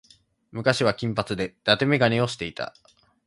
昔は金髪で伊達眼鏡をしていた。